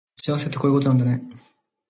幸せってこういうことなんだね